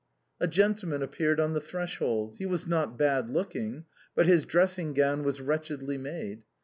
A gentleman appeared on the threshold; he was not bad looking, but his dressing gown was wretchedly made.